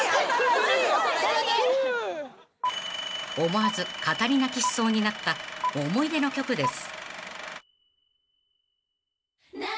［思わず語り泣きしそうになった思い出の曲です］